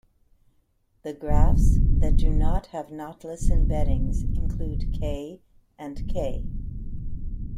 The graphs that do not have knotless embeddings include "K" and "K".